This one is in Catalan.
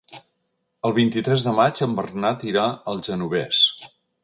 El vint-i-tres de maig en Bernat irà al Genovés.